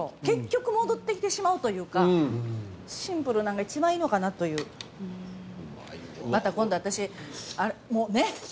結局戻ってきてしまうというかシンプルなんが一番いいのかなといううまいわまた今度私もうねっ！